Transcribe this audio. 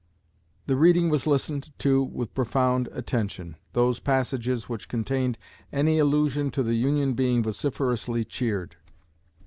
The reading was listened to with profound attention, those passages which contained any allusion to the Union being vociferously cheered.